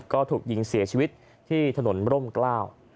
ก็ถูกยิงเสียชีวิตที่ถนนร่มกล้า